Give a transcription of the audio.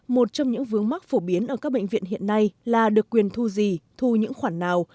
một trong những vướng mắc phổ biến ở các bệnh viện hiện nay là được quyền thu gì thu những khoản nào